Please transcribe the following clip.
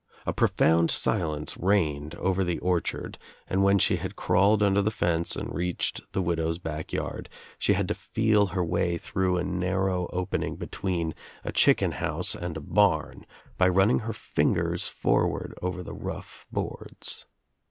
A profound silence reigned over the orchard and when she had crawled under the fence and reached the widow's back yard she had to feel her way through a narrow opening between a chicken house and a barn by running her fingers forward over the rough boards.